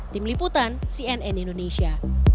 tim liputan cnn indonesia